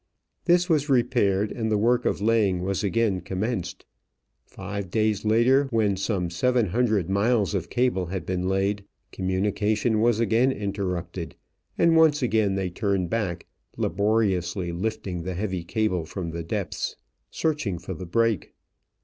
This was repaired and the work of laying was again commenced. Five days later, when some seven hundred miles of cable had been laid, communication was again interrupted, and once again they turned back, laboriously lifting the heavy cable from the depths, searching for the break.